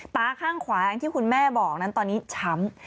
ตาข้างขวาอย่างที่คุณแม่บอกนั้นตอนนี้ช้ำ